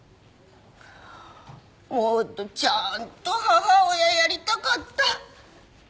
もっとちゃんと母親やりたかった。